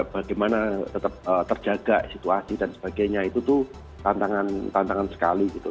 bagaimana tetap terjaga situasi dan sebagainya itu tuh tantangan sekali gitu